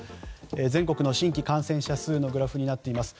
全国の新規感染者数のグラフになっています。